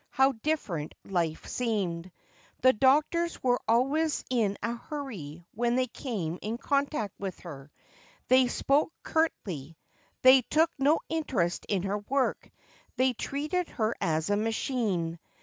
how different life seemed '. Tlie doctors were alwavs i i a hur ; y when they eanie in contact with her. Ti.ev spoke curti .": tl.ey took no interest in her work — they treated her as a machine.